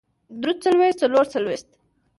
درې څلوېښت څلور څلوېښت